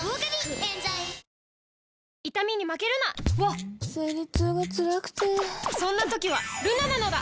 わっ生理痛がつらくてそんな時はルナなのだ！